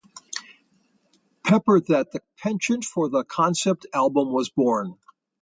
Pepper that the penchant for the concept album was born.